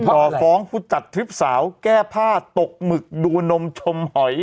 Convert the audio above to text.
ต่อฟ้องฟุตัฐธิปสาวแก้ผ้าตกหมึกดูนมชมหอย